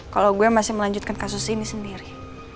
kalau gue masih melanjutkan kasus ini sendiri